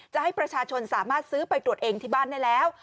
จะให้ประชาชนสามารถซื้อไปตรวจเองที่บ้านได้แล้ว